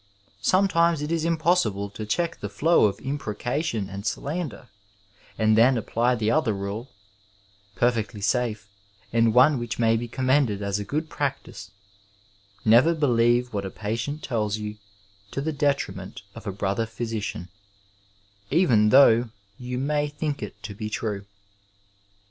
Sometimes it is impossible to check the flow of imprecation and slander; and then apply the other rule — ^perfectly safe, and one which may be commended as a good practice — ^never believe what a patient tells you to the detriment of a brother physidan, even though you may think it to be true.